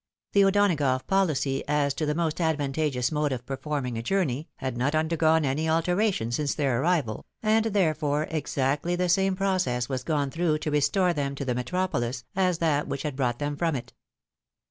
The O'Donagough policy as to the most advantageous mode of performing a journey, had not undergone any alteration since their arrival, and therefore, exactly the same process was gone through to restore them to the metropolis as that which had brought them from it.